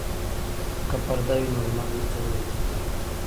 که پرده وي نو لمر نه ځوروي.